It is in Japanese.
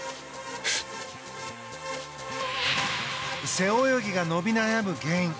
背泳ぎが伸び悩む原因。